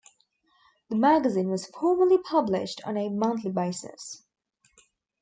The magazine was formerly published on a monthly basis.